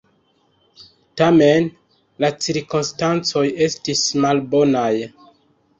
Tamen, la cirkonstancoj estis malbonaj.